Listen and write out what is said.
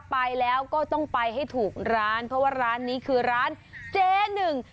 ไปแล้วก็ต้องไปให้ถูกร้านเพราะว่าร้านนี้คือร้านเจ๊หนึ่ง